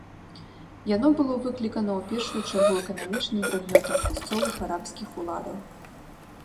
Яно было выклікана ў першую чаргу эканамічным прыгнётам мясцовых арабскіх уладаў.